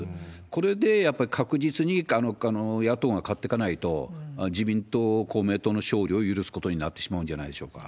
これでやっぱり確実にほかの野党が勝っていかないと、自民党、公明党の勝利を許すことになってしまうんじゃないでしょうか。